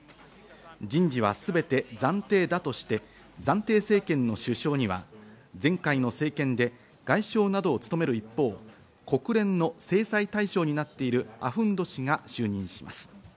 人事はすべて暫定だとして暫定政権の首相には前回の政権で外相などを務める一方、国連の制裁対象になっているアフンド師が就任します。